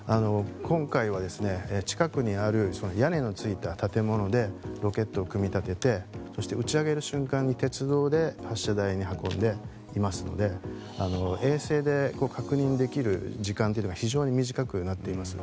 今回は近くにある屋根のついた建物でロケットを組み立ててそして、打ち上げる瞬間に鉄道で発射台に運んでいますので衛星で確認できる時間というのが非常に短くなっています。